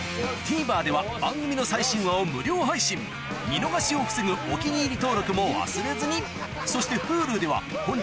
ＴＶｅｒでは番組の最新話を無料配信見逃しを防ぐ「お気に入り」登録も忘れずにそしてＨｕｌｕでは本日の放送も過去の放送も配信中